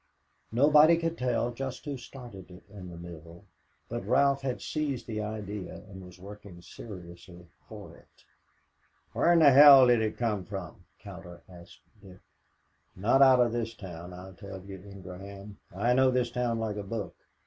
Nobody could tell just who started it in the mill, but Ralph had seized the idea and was working seriously for it. "Where in hell did it come from?" Cowder asked Dick. "Not out of this town, I tell you, Ingraham. I know this town like a book.